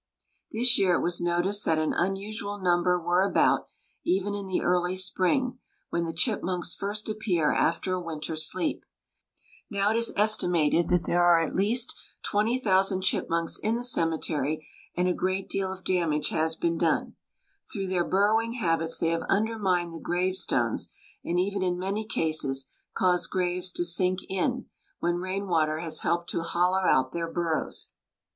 This year it was noticed that an unusual number were about, even in the early spring, when the chipmunks first appear after a winter's sleep. Now it is estimated that there are at least 20,000 chipmunks in the cemetery, and a great deal of damage has been done. Through their burrowing habits they have undermined the gravestones, and even in many cases caused graves to sink in, when rainwater has helped to hollow out their burrows.